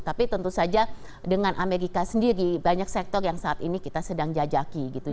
tapi tentu saja dengan amerika sendiri banyak sektor yang saat ini kita sedang jajaki gitu